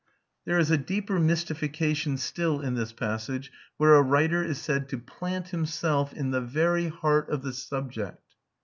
There is a deeper mystification still in this passage, where a writer is said to "plant himself in the very heart of the subject."